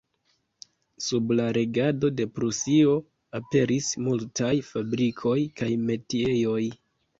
Sub la regado de Prusio aperis multaj fabrikoj kaj metiejoj.